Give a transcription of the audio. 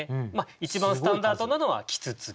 一番スタンダードなのは「木突」。